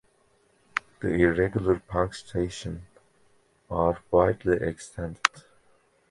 The irregular punctation are widely extended.